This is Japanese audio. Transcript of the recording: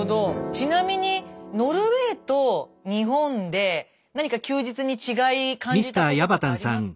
ちなみにノルウェーと日本で何か休日に違い感じたこととかありますか？